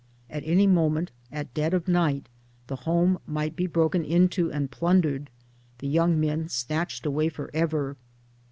At any moment, at dead of night, the; home might be broken into and plundered the young; men snatched away for ever.